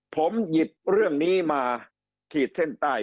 ผมหยิบเรื่องนี้มาขีดเส้นใต้